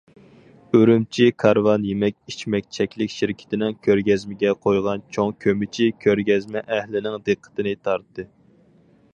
ئۈرۈمچى‹‹ كارۋان›› يېمەك- ئىچمەك چەكلىك شىركىتىنىڭ كۆرگەزمىگە قويغان چوڭ كۆمىچى كۆرگەزمە ئەھلىنىڭ دىققىتىنى تارتتى.